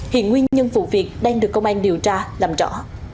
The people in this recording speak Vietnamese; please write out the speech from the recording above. hiện nguyên nhân vụ việc đang được công an điều tra làm rõ